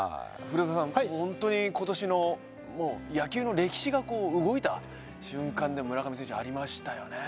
今年の野球の歴史が動いた瞬間でも村上選手、ありましたよね。